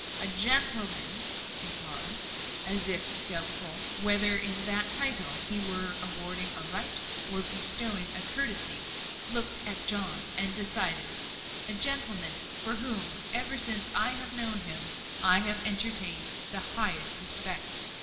"A gentleman," he paused, as if doubtful whether in that title he were awarding a right or bestowing a courtesy, looked at John, and decided "a gentleman for whom, ever since I have known him, I have entertained the highest respect."